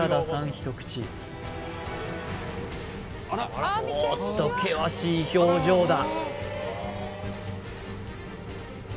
一口おっと険しい表情だ